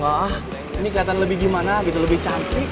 wah ini kelihatan lebih gimana gitu lebih cantik